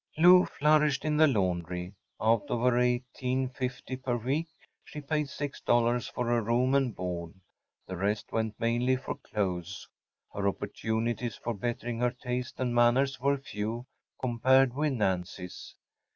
Lou flourished in the laundry. Out of her $18.50 per week she paid $6. for her room and board. The rest went mainly for clothes. Her opportunities for bettering her taste and manners were few compared with Nancy’s.